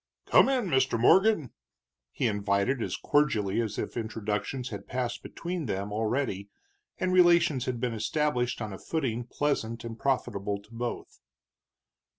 "Come in, Mr. Morgan," he invited, as cordially as if introductions had passed between them already and relations had been established on a footing pleasant and profitable to both.